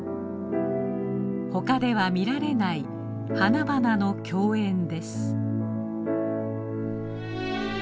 他では見られない花々の供宴です。